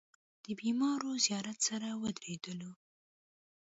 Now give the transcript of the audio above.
د بېمارو زيارت سره ودرېدلو.